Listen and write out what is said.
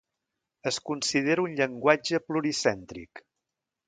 Es considera un llenguatge pluricèntric.